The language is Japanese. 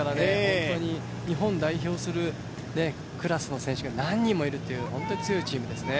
日本代表するクラスの選手が何人もいるという本当に強いチームですね。